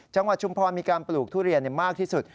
ชุมพรมีการปลูกทุเรียนมากที่สุด